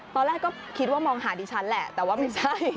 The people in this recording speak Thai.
ตอนแรกก็คิดว่ามองหาดิฉันแหละแต่ว่าไม่ใช่